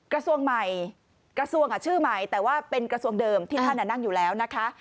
กระทรวงใหม่กระทรวงชื่อใหม่แต่ว่าเป็นกระทรวงเดิมที่ท่านนั่งอยู่แล้วนะคะ